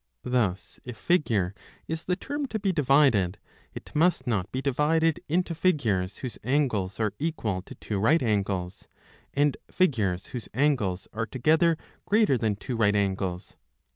Thus if Figure is the term to be divided, it must not be divided into figures whose angles are equal to two right angles, and figures whose angles are together greater than two right angles.